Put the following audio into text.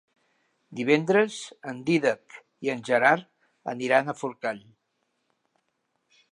Divendres en Dídac i en Gerard aniran a Forcall.